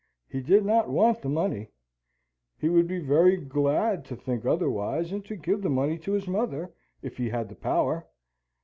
He did not want the money: he would be very glad to think otherwise, and to give the money to his mother, if he had the power.